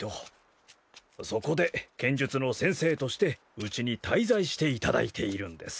そこで剣術の先生としてうちに滞在していただいているんです。